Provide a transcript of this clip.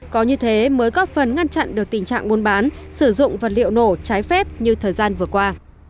có như thế mới góp phần ngăn chặn được tình trạng buôn bán sử dụng vật liệu nổ trái phép như thời gian vừa qua